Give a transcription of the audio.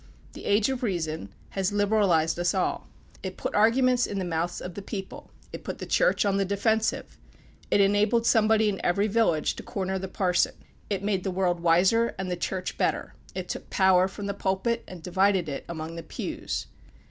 The "Age of Reason" has liberalized us all. It put arguments in the mouths of the people; it put the Church on the defensive; it enabled somebody in every village to corner the parson; it made the world wiser, and the Church better; it took power from the pulpit and divided it among the pews.